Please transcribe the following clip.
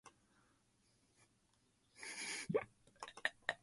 He rejoined behind Piquet and the pair began to climb through the field.